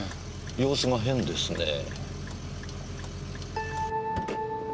様子が変ですねぇ。